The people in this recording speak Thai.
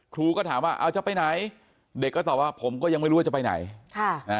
ครูก็ถามว่าเอาจะไปไหนเด็กก็ตอบว่าผมก็ยังไม่รู้ว่าจะไปไหน